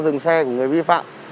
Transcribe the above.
dừng xe của người vi phạm